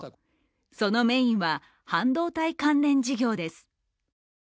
そのメインは半導体関連事業です。